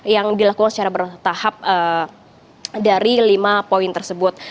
yang dilakukan secara bertahap dari lima poin tersebut